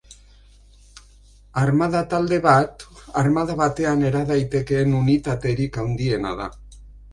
Armada talde bat, armada batean era daitekeen unitaterik handiena da.